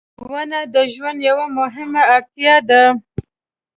• ونه د ژوند یوه مهمه اړتیا ده.